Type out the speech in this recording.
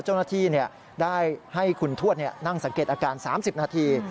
เจ้าหน้าที่ได้ให้คุณทวดนั่งสังเกตอาการ๓๐นาที